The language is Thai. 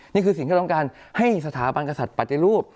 นี่คือสิ่งที่เราต้องการให้สถาบันกษัตริย์ปฏิรูป